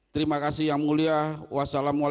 terima kasih yang mulia